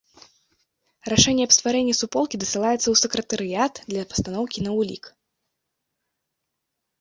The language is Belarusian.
Рашэнне аб стварэнні суполкі дасылаецца ў сакратарыят для пастаноўкі на ўлік.